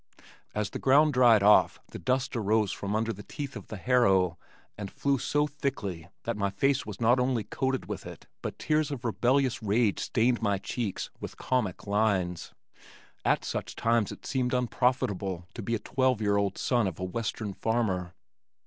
As the ground dried off the dust arose from under the teeth of the harrow and flew so thickly that my face was not only coated with it but tears of rebellious rage stained my cheeks with comic lines. At such times it seemed unprofitable to be the twelve year old son of a western farmer.